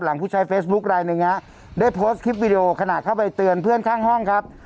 ผู้ใช้เฟซบุ๊คลายหนึ่งฮะได้โพสต์คลิปวิดีโอขณะเข้าไปเตือนเพื่อนข้างห้องครับ